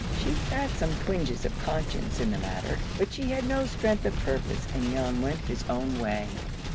She had some twinges of conscience in the matter, but she had no strength of purpose, and Jan went his own way.